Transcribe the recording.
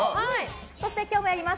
そして今日もやります